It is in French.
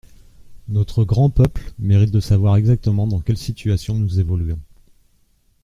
Notre grand peuple mérite de savoir exactement dans quelle situation nous évoluons.